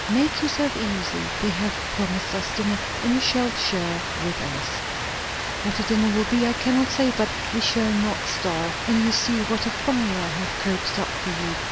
"Make yourself easy; they have promised us dinner, and you shall share with us. What the dinner will be, I cannot say; but we shall not starve; and you see what a fire I have coaxed up for you.